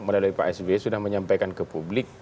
melalui pak s w sudah menyampaikan ke publik